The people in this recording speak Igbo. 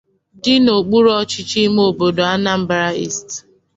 dị n'okpuruọchịchị ime obodo Anambra East